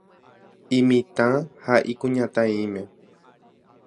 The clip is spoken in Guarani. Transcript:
Imitã ha ikuñataĩme.